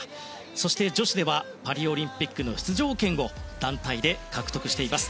そして女子ではパリオリンピック出場権を団体で獲得しています。